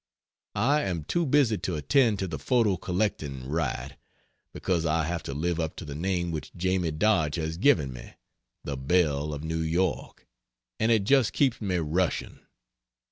I am too busy to attend to the photo collecting right, because I have to live up to the name which Jamie Dodge has given me the "Belle of New York" and it just keeps me rushing.